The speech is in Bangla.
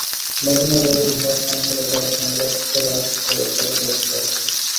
ম্যাডোনা রেবেল হার্ট কনসার্টে যাওয়ার সময় রক্কো রাগ করে চলে যায় স্টকহোমে।